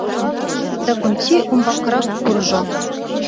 Дакунти умбакырак куржо.